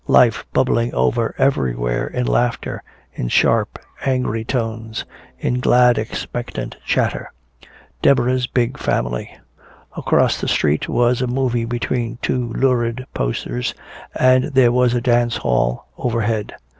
Life bubbling over everywhere, in laughter, in sharp angry tones, in glad expectant chatter. Deborah's big family. Across the street was a movie between two lurid posters, and there was a dance hall overhead.